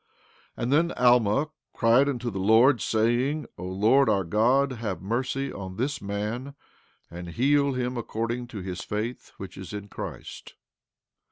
15:10 And then Alma cried unto the Lord, saying: O Lord our God, have mercy on this man, and heal him according to his faith which is in Christ.